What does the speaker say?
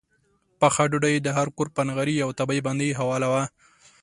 پخه ډوډۍ یې د هر کور پر نغري او تبۍ باندې حواله وه.